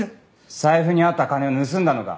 財布にあった金を盗んだのか？